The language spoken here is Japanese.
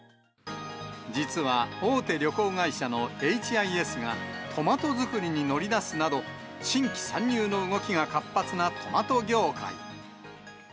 実は、大手旅行会社のＨＩＳがトマト作りに乗り出すなど、新規参入の動きが活発なトマト業界。